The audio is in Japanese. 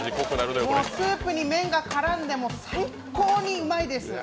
スープに麺が絡んで、もう最高にうまいです。